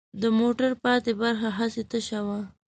د موټر پاتې برخه هسې تشه وه.